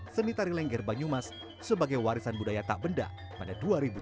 seni tari lengger banyumas sebagai warisan budaya tak benda pada dua ribu tiga